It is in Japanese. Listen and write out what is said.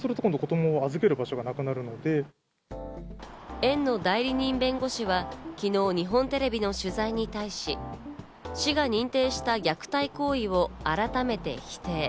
園の代理人弁護士は昨日、日本テレビの取材に対し、市が認定した虐待行為を改めて否定。